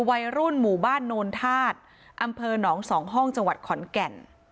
วัยรุ่นหมู่บ้านโนนธาตุอำเภอหนองสองห้องจังหวัดขอนแก่น